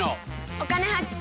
「お金発見」。